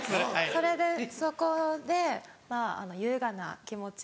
それでそこで優雅な気持ちに。